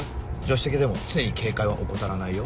手席でも常に警戒は怠らないよ。